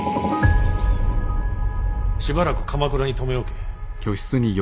しばらく鎌倉に留め置け。